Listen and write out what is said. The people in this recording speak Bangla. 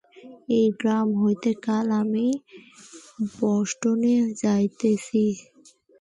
এই গ্রাম হইতে কাল আমি বষ্টনে যাইতেছি।